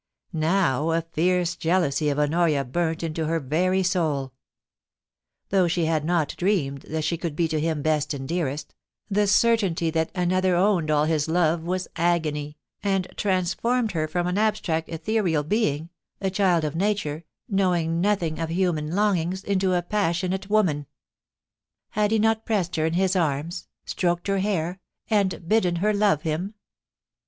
Now a fierce jealousy of Honoria burnt into her very souL Though she had not dreamed that she could be to him best and dearest, the certainty that another owned all his love was agony, and transformed her from an abstract ethereal being — a child of nature, knowing nothing of human longings — ^into a passionate woman. Had he not pressed her in his arms, stroked her hair, and bidden her love him